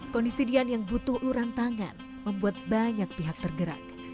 kondisi dian yang butuh uluran tangan membuat banyak pihak tergerak